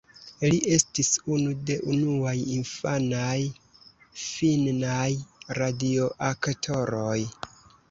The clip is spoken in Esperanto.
Li estis unu de unuaj infanaj finnaj radioaktoroj.